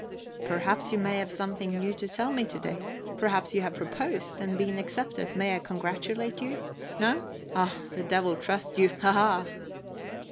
"Perhaps you may have something new to tell me to day. Perhaps you have proposed, and been accepted. May I congratulate you? No? Ah, the devil trust you haha!"